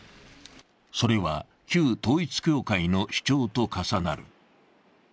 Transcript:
それは旧統一教会の主張と重なる。